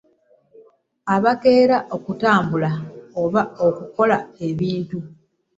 Abakeera okutambula oba okukola ebintu .